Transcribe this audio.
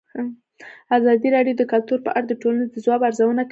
ازادي راډیو د کلتور په اړه د ټولنې د ځواب ارزونه کړې.